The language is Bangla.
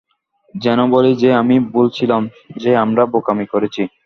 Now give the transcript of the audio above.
যেন বলি যে আমি ভুল ছিলাম, যে আমরা বোকামি করেছি।